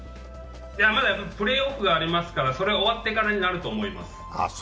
まだやっぱりプレーオフがありますからそれ終わってからになると思います。